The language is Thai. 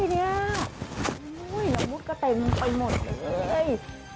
แล้วมุดก็เต็มไปหมดเลย